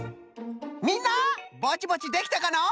みんなぼちぼちできたかの？